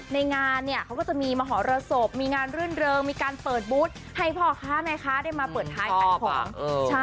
ในงานเนี่ยเขาก็จะมีมหรสบมีงานรื่นเริงมีการเปิดบูธให้พ่อค้าแม่ค้าได้มาเปิดท้ายขายของ